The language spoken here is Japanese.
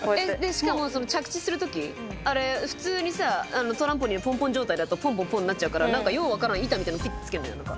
しかも着地するときあれ普通にさトランポリンのぽんぽん状態だとぽんぽんぽんなっちゃうからよう分からん板みたいなのぴってつけるんだよ。